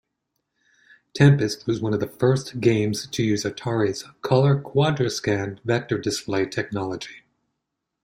"Tempest" was one of the first games to use Atari's Color-QuadraScan vector display technology.